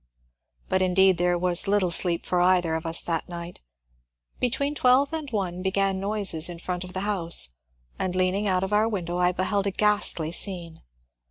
But indeed there was little sleep for either of us that night. Between twelve and one began noises in front of the house, and leaning out of our window I beheld a ghastly scene.